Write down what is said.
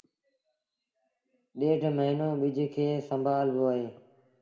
ڏيڍ موهيݩون ٻج کي سنڀآ لبو اهي